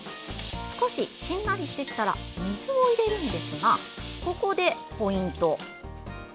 少ししんなりしてきたら水を入れるんですがここでポイント。